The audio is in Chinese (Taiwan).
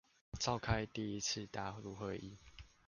召開第一次大陸會議